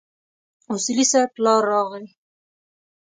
اصولي صیب پلار راغی.